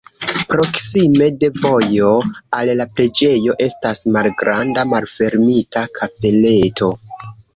Proksime de vojo al la preĝejo estas malgranda malfermita kapeleto.